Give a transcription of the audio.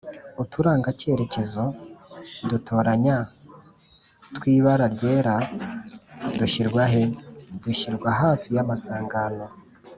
uturanga cyerekezo dutoranya tw’ibara ryera dushyirwahe?dushyirwa hafi y’amasangano